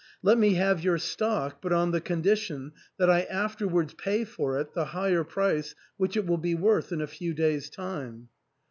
Let me have your stock, but on the condition that I afterwards pay for it the higher price which it will be worth in a few day's time."